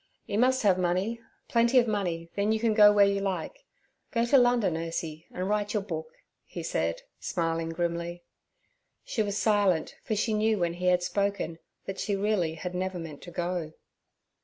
You must have money, plenty of money, then you can go where you like. Go to London, Ursie, and write your book' he said, smiling grimly. She was silent, for she knew when he had spoken that she really had never meant to go.